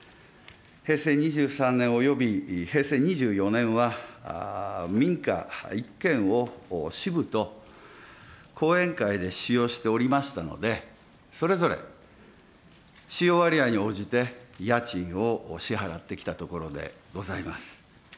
平成２３年、および平成２４年は、民家１軒を支部と後援会で使用しておりましたので、それぞれ使用割合に応じて家賃を支払ってきたところでございます。